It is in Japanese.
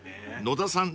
野田さん。